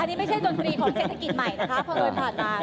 อันนี้ไม่ใช่จนกรีของเศรษฐกิจใหม่